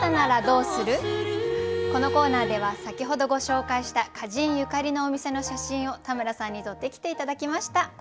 このコーナーでは先ほどご紹介した歌人ゆかりのお店の写真を田村さんに撮ってきて頂きました。